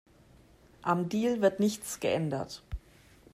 Am Deal wird nichts geändert.